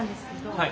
はい。